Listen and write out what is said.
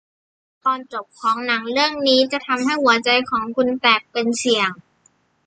ส่วนตอนจบของหนังเรื่องนี้จะทำให้หัวใจของคุณแตกเป็นเสี่ยง